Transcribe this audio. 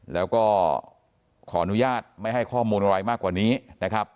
แล้วก็ขออนุญาตไม่ให้ข้อมูลอะไรมากกว่านี้นะครับ